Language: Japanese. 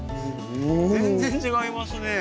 全然違いますね。